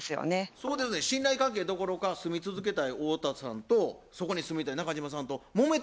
そうですねん信頼関係どころか住み続けたい太田さんとそこに住みたい中島さんともめてるぐらいですからね。